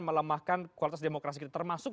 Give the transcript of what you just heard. melemahkan kualitas demokrasi kita termasuk